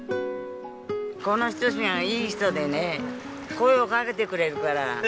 この人たちがいい人でね声をかけてくれるから嬉しい。